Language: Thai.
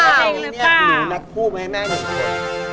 นี่เนี่ยหนูนักภูมิให้แม่ดูสิวะ